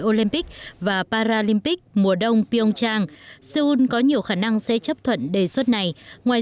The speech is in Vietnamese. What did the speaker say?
olympic và paralympic mùa đông pionchang seoul có nhiều khả năng sẽ chấp thuận đề xuất này ngoài